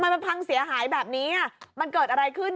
มันพังเสียหายแบบนี้มันเกิดอะไรขึ้น